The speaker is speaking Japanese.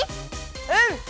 うん！